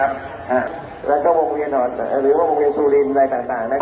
ประวัติภาพต้องใจรักความสุขศพฤษภัายดรสุดท้าย